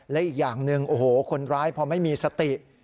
และอีกอย่างหนึ่งโอ้โหคนร้ายพอไม่มีสติ